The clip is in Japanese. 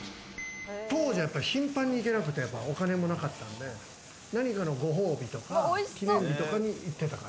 当時、頻繁に行けなくて、お金もなかったんで、何かのご褒美とか記念日とかに行ってた。